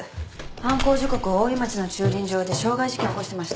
犯行時刻大井町の駐輪場で傷害事件起こしてました。